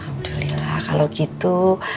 alhamdulillah kalau gitu